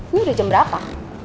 ini udah jam berapa